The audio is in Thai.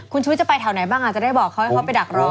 คุณชุวิตจะไปแถวไหนบ้างอาจจะได้บอกเขาให้เขาไปดักรอ